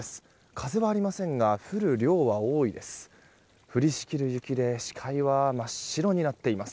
風はありませんが降る量は多いです。